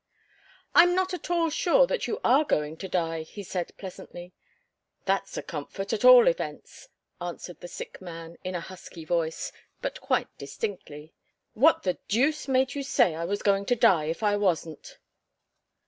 "I'm not at all sure that you are going to die," he said, pleasantly. "That's a comfort, at all events," answered the sick man, in a husky voice, but quite distinctly. "What the deuce made you say I was going to die, if I wasn't?"